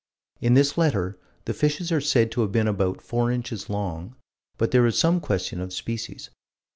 In this letter the fishes are said to have been about four inches long, but there is some question of species.